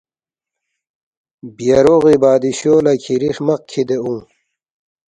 بیہ روغی بادشو لہ کِھری ہرمق کِھدے اونگ